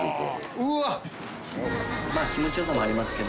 気持ちよさもありますけど